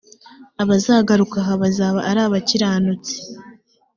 abazagaruka aha bazaba ari abakiranutsi